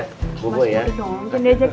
enggak boleh enggak enggak